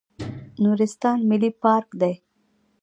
نورستان ملي پارک دی